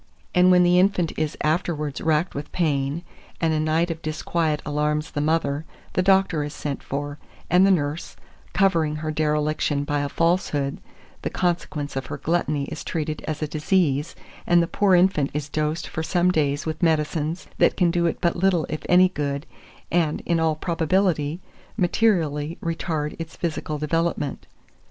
And when the infant is afterwards racked with pain, and a night of disquiet alarms the mother, the doctor is sent for, and the nurse, covering her dereliction by a falsehood, the consequence of her gluttony is treated as a disease, and the poor infant is dosed for some days with medicines, that can do it but little if any good, and, in all probability, materially retard its physical development.